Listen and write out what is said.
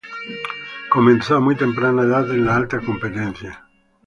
Comenzó a muy temprana edad en la alta competencia.